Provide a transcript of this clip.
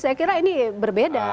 saya kira ini berbeda